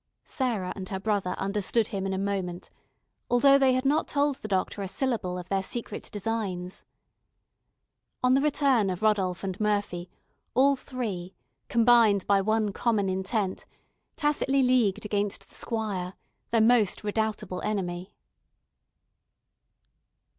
Sarah and her brother understood him in a moment, although they had not told the doctor a syllable of their secret designs. On the return of Rodolph and Murphy, all three, combined by one common intent, tacitly leagued against the squire, their most redoubtable enemy.